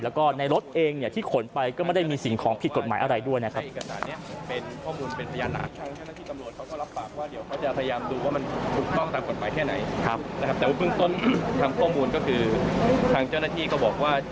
แล้วก็ในรถเองเนี่ยที่ขนไปก็ไม่ได้มีสิ่งของผิดกฎหมายอะไรด้วยนะครับ